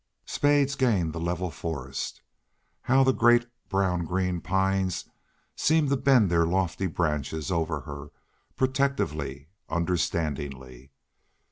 Spades gained the level forest. How the great, brown green pines seemed to bend their lofty branches over her, protectively, understandingly.